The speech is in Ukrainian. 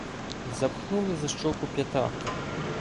Запхнули за щоку п'ятак.